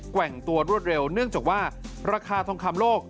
ว่งตัวรวดเร็วเนื่องจากว่าราคาทองคำโลก